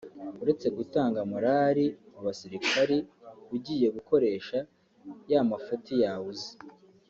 uretse gutanga morali mu basirikali ugiye gukoresha ya mafuti yawe uzi